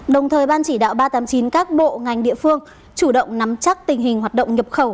đồng thời ban chỉ đạo ba trăm tám mươi chín các bộ ngành địa phương chủ động nắm chắc tình hình hoạt động nhập khẩu